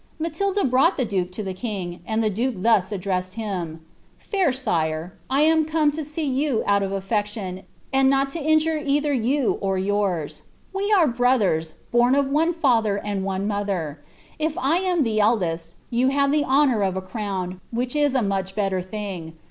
Matilda brought the duke to the king, and the duke thus ad dressed him :^ Fair sire, I am come to see you out of afiection, and not to injure either you or yours. We are brothers, bom of one &ther and one mo ther. If I am the eldest, you liave the honour of a crown, which is a much better thing.